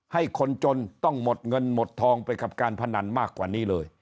ให้คนจนต้องหมดเงินหมดทองไปกับการพนันมากกว่านี้เลย